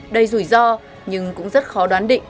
đầy rủi ro nhưng cũng rất khó đoán định